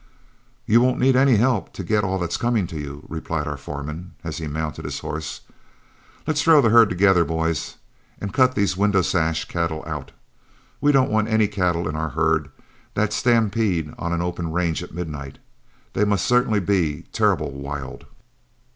"You won't need any help to get all that's coming to you," replied our foreman, as he mounted his horse. "Let's throw the herd together, boys, and cut these 'Window Sash' cattle out. We don't want any cattle in our herd that stampede on an open range at midnight; they must certainly be terrible wild."